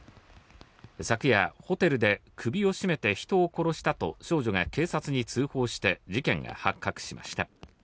昨夜、ホテルで首を絞めて人を殺したと少女が警察に通報して事件が発覚しました。